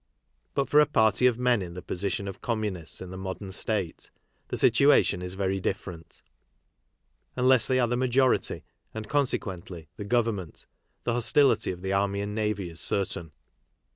But for a party of men in the position of communists in the modern State, the situa tion is very different. Unless they are the majority and, consequently, the government, the hostility of the army and navy is certain.